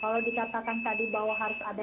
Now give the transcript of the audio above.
kalau dikatakan tadi bahwa harus ada